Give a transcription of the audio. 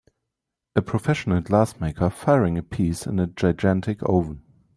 A professional glass maker firing a piece in a gigantic oven